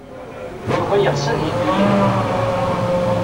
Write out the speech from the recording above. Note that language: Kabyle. Yuba yeɣs ad yeddu yid-went.